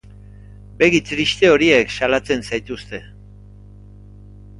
Begi triste horiek salatzen zaituzte.